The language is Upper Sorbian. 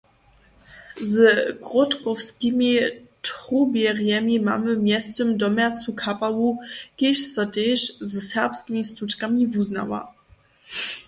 Z Grodkowskimi trubjerjemi mamy mjeztym domjacu kapału, kiž so tež ze serbskimi štučkami wuznawa.